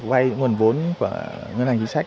vay nguồn vốn và ngân hành chính sách